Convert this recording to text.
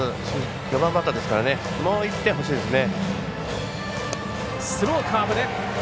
４番バッターですからもう一点、欲しいですね。